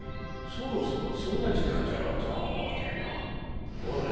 そろそろそんなじかんじゃろうとおもうてのほら。